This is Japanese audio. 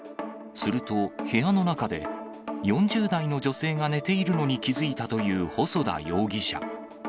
すると、部屋の中で４０代の女性が寝ているのに気付いたという細田容疑者。